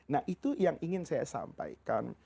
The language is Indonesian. nah itu yang ingin saya sampaikan